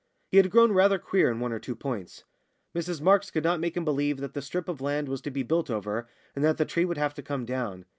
He had grown rather queer in one or two points. Mrs Marks could not make him believe that the strip of land was to be built over, and that the tree would have to come down.